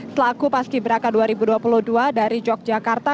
selaku paski beraka dua ribu dua puluh dua dari yogyakarta